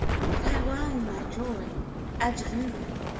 Farewell! my joy! Adieu!